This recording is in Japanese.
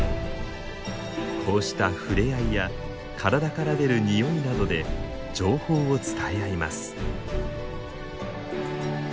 こうした触れ合いや体から出るにおいなどで情報を伝え合います。